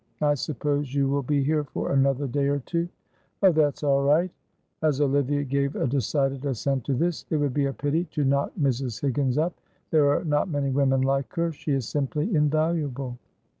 I suppose you will be here for another day or two? Oh, that's all right," as Olivia gave a decided assent to this. "It would be a pity to knock Mrs. Higgins up. There are not many women like her; she is simply invaluable."